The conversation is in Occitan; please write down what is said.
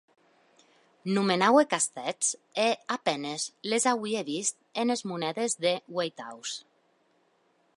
Nomenaue castèths e a penes les auie vist enes monedes de ueitaus.